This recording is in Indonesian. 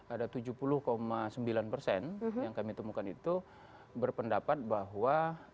ada tujuh puluh sembilan persen yang kami temukan itu berpendapat bahwa